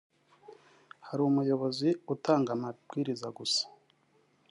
Hari umuyobozi utanga amabwiriza gusa